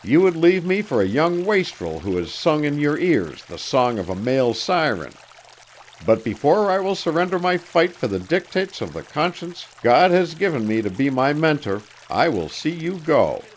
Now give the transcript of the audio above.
You would leave me for a young wastrel who has sung in your ears the song of a male siren. But before I will surrender my fight for the dictates of the conscience God has given me to be my mentor, I will see you go!"